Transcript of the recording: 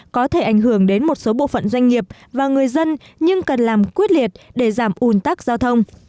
có thể ảnh hưởng đến một số bộ phận doanh nghiệp và người dân nhưng cần làm quyết liệt để giảm ủn tắc giao thông